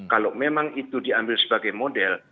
kalau memang itu diambil sebagai model